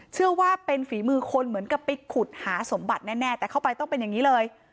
เชื่อว่าเป็นฝีมือคนเหมือนกับไปขุดหาสมบัติแน่แต่เข้าไปต้องเป็นอย่างนี้เลย